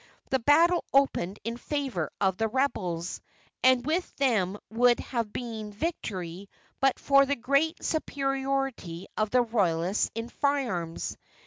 The battle opened in favor of the rebels, and with them would have been the victory but for the great superiority of the royalists in firearms.